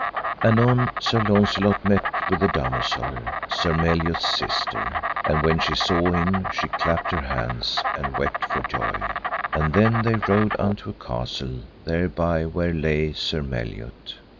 Anon Sir Launcelot met with the damosel, Sir Meliot's sister. And when she saw him she clapped her hands, and wept for joy. And then they rode unto a castle thereby where lay Sir Meliot.